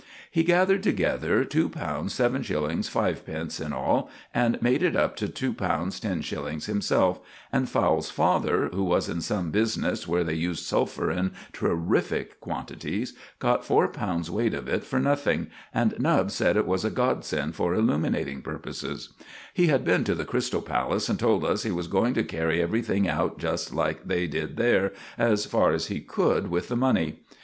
He gathered together £2 7_s._ 5_d._ in all, and made it up to £2 10_s._ himself; and Fowle's father, who was in some business where they used sulphur in terrific quantities, got four pounds weight of it for nothing, and Nubbs said it was a godsend for illuminating purposes. He had been to the Crystal Palace, and told us he was going to carry everything out just like they did there, as far as he could with the money.